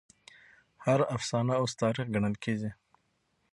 هر افسانه اوس تاريخ ګڼل کېږي.